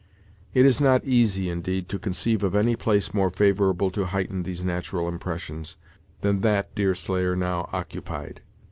It is not easy, indeed, to conceive of any place more favorable to heighten these natural impressions, than that Deerslayer now occupied.